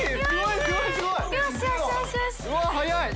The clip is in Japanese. うわっ速い。